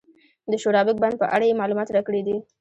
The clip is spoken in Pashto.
د شورابک بند په اړه یې معلومات راکړي دي.